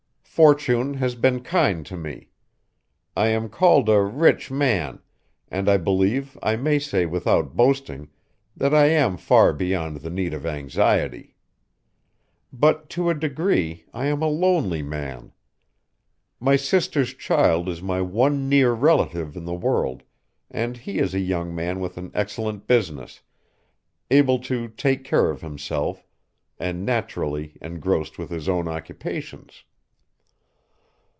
Fortune has been kind to me. I am called a rich man, and I believe I may say without boasting that I am far beyond the need of anxiety. But to a degree I am a lonely man. My sister's child is my one near relative in the world, and he is a young man with an excellent business, able to take care of himself, and naturally engrossed with his own occupations.